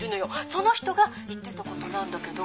その人が言ってたことなんだけど。